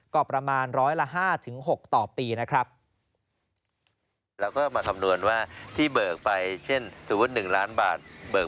ก็ประมาณร้อยละ๕๖ต่อปี